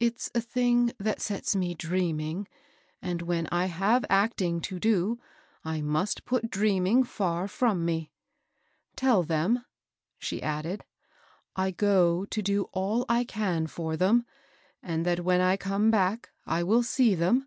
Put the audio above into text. It's a thing that sets me dreaming; and when I have act ing to do, I must put dreaming fiur firom me. Tell them," she added, "I go to do all I can for them, and that when I come back I will see them.